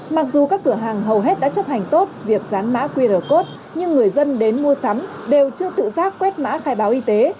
mặc dù các cửa hàng hầu hết đã chấp hành tốt việc dán mã qr code nhưng người dân đến mua sắm đều chưa tự giác quét mã khai báo y tế